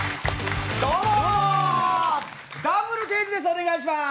お願いします